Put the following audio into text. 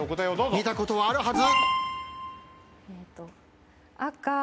見たことはあるはず。